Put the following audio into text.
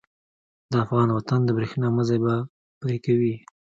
د افغان وطن د برېښنا مزی به پرې کوي.